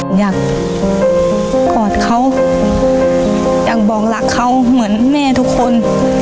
อยากกอดเขาอยากบอกรักเขาเหมือนแม่ทุกคน